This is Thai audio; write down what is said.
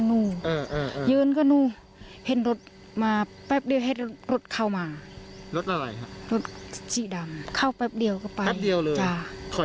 นู่ยืนก็นู่เห็นรถมาแป๊บเดียวให้รถเข้ามาก็รถซี่ดำเข้าแป๊บเดียวก็ไปเดียวเลยค่ะ